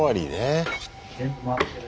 ・全部回ってる。